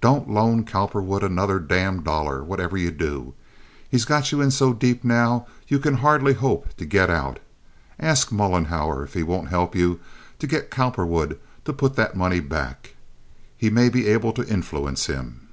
Don't loan Cowperwood another damned dollar, whatever you do. He's got you in so deep now you can hardly hope to get out. Ask Mollenhauer if he won't help you to get Cowperwood to put that money back. He may be able to influence him."